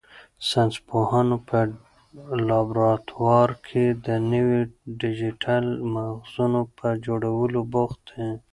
ساینس پوهان په لابراتوار کې د نویو ډیجیټل مغزونو په جوړولو بوخت دي.